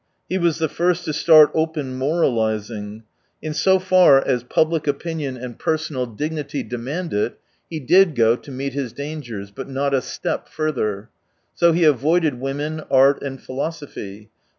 He was the first to start open moralising. In so far as public opini6n and piersonal IS4 dignity demand it, he did go to meet his dangers : but not a step further. So he avoided women, art, and philosophy.